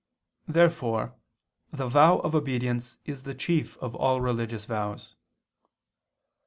Therefore the vow of obedience is the chief of all religious vows.